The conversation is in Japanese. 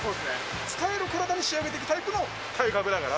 使える体に仕上げていくタイプの体格だから。